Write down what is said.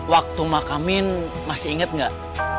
waktu mahkamin masih inget nggak